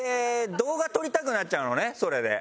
動画撮りたくなっちゃうのねそれで。